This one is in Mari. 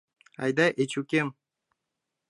Айда, Эчукем.